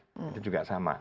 itu juga sama